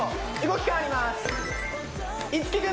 動き変わります